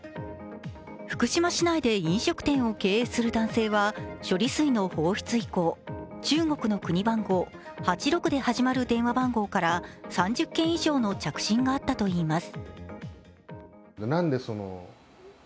福島市内で飲食店を経営する男性は、処理水の放出以降、中国の国番号８６で始まる電話番号から３０件以上の着信があったといいます。